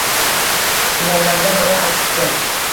Kulollardan biri aytibdi